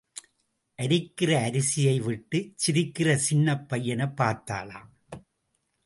அரிக்கிற அரிசியை விட்டுச் சிரிக்கிற சின்னப் பையனைப் பார்த்தாளாம்.